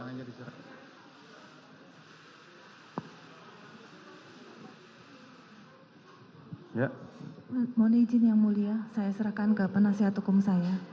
mohon izin yang mulia saya serahkan ke penasihat hukum saya